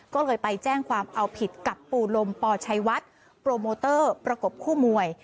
ก็เลยไปแจ้งความเอาผิดกับปู่ลมปชัยวัดโปรโมเตอร์ประกบคู่มวย